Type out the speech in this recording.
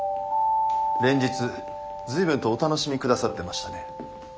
連日随分とお楽しみ下さってましたね。